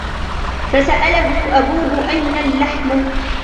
فسأله أبوه أين اللحم